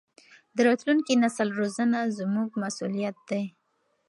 د راتلونکي نسل روزنه زموږ مسؤلیت دی.